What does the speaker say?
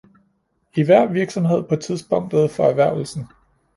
i hver virksomhed på tidspunktet for erhvervelsen